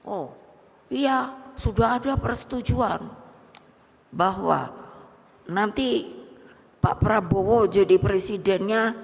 oh iya sudah ada persetujuan bahwa nanti pak prabowo jadi presidennya